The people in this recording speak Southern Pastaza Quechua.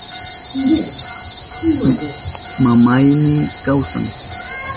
Mamayni kawsan.